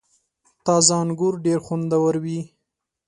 • تازه انګور ډېر خوندور وي.